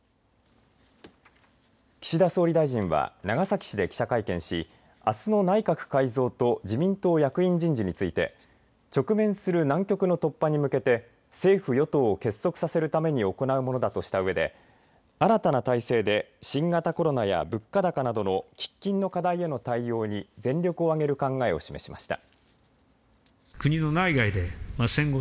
岸田総理大臣は長崎市で記者会見し、あすの内閣改造と自民党役員人事について直面する難局の突破に向けて政府与党を結束させるために行うものだとしたうえで新たな体制で新型コロナや物価高などの喫緊の課題への対応に全力を挙げる考えを示しました。